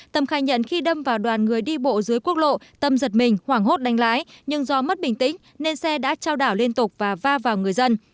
tâm khai nhận khi đâm vào đoàn người đi bộ dưới quốc lộ tâm giật mình hoảng hốt đánh lái nhưng do mất bình tĩnh nên xe đã trao đảo liên tục và va vào người dân